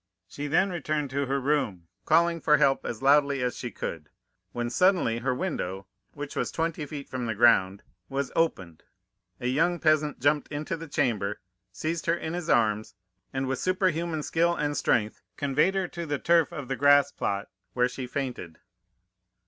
She then returned to her room, calling for help as loudly as she could, when suddenly her window, which was twenty feet from the ground, was opened, a young peasant jumped into the chamber, seized her in his arms, and with superhuman skill and strength conveyed her to the turf of the grass plot, where she fainted.